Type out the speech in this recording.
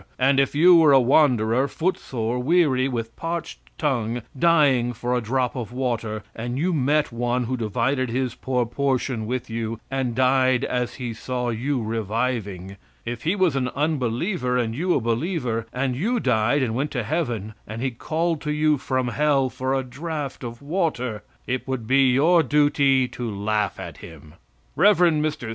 And if you were a wanderer, footsore, weary, with parched tongue, dying for a drop of water, and you met one who divided his poor portion with you, and died as he saw you reviving if he was an unbeliever and you a believer, and you died and went to heaven, and he called to you from hell for a draught of water, it would be your duty to laugh at him. Rev. Mr.